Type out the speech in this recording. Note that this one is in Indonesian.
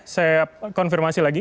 saya konfirmasi lagi